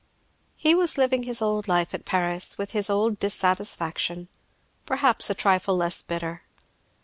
He was living his old life at Paris, with his old dissatisfaction, perhaps a trifle less bitter.